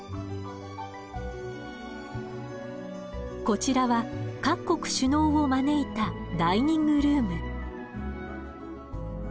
こちらは各国首脳を招いたダイニングルーム。